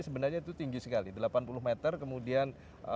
sebenarnya itu tinggi sekali delapan puluh meter kemudian